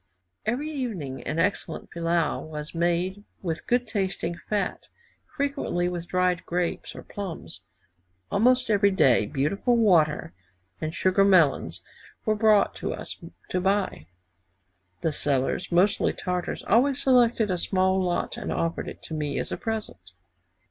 Every evening an excellent pillau was made with good tasting fat, frequently with dried grapes or plums. Almost every day beautiful water and sugar melons were brought to us to buy. The sellers, mostly Tartars, always selected a small lot and offered it to me as a present.